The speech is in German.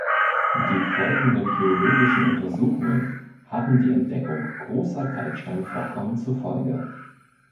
Die folgenden geologischen Untersuchungen hatten die Entdeckung großer Kalksteinvorkommen zur Folge.